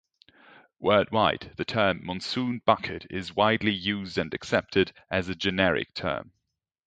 Worldwide, the term "monsoon bucket" is widely used and accepted as a generic term.